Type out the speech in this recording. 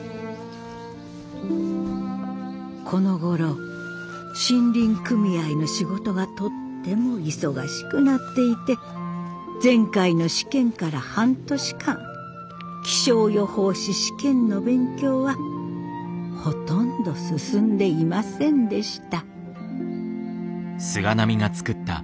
このごろ森林組合の仕事がとっても忙しくなっていて前回の試験から半年間気象予報士試験の勉強はほとんど進んでいませんでした。